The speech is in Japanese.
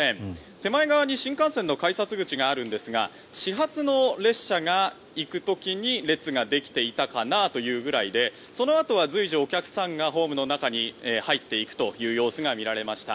手前側に新幹線の改札口があるんですが始発の列車が行く時に列ができていたかなというぐらいでそのあとは随時お客さんがホームの中に入っていく様子が見られました。